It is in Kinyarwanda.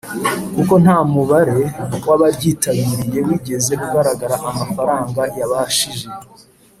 Kuko nta mubare w abaryitabiriye wigeze ugaragara amafaranga yabashije